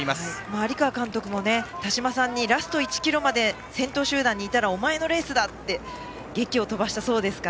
有川監督も田島さんにラスト１ｋｍまで先頭集団にいたらお前のレースだとげきを飛ばしたそうなので。